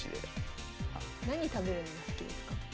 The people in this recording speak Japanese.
何食べるの好きですか？